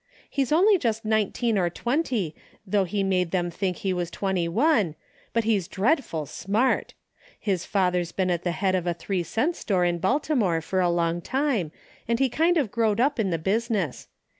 He's only just nineteen or twenty, though he made them think he was twenty one, but he's dreadful smart. His father's been at the head of a three cent store in Baltimore for a long time, and he kind of growed up in the business.